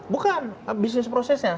bukan bisnis prosesnya